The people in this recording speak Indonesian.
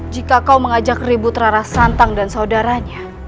jika kau mengajak ribut rara santang dan saudaranya